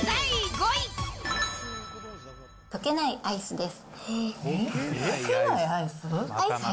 溶けないアイスです。